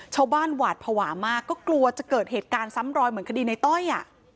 หวาดภาวะมากก็กลัวจะเกิดเหตุการณ์ซ้ำรอยเหมือนคดีในต้อย